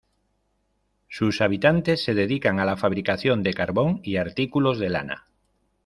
Sus habitantes se dedican a la fabricación de carbón y artículos de lana.